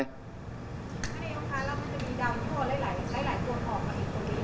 เพราะผมทำเพื่อคนไทย